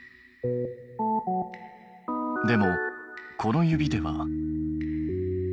でもこの指では。